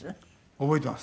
覚えています。